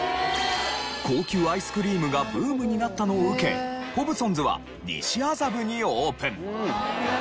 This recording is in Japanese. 高級アイスクリームがブームになったのを受けホブソンズは西麻布にオープン。